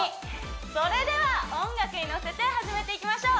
それでは音楽にのせて始めていきましょう